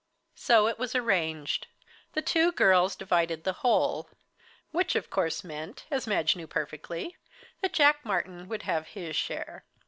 So it was arranged the two girls divided the whole; which of course meant, as Madge knew perfectly, that Jack Martyn would have his share.